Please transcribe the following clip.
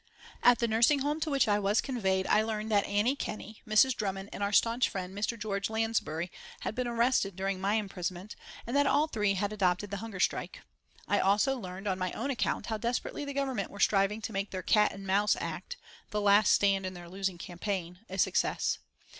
At the nursing home to which I was conveyed I learned that Annie Kenney, Mrs. Drummond, and our staunch friend, Mr. George Lansbury, had been arrested during my imprisonment, and that all three had adopted the hunger strike. I also learned on my own account how desperately the Government were striving to make their Cat and Mouse Act the last stand in their losing campaign a success.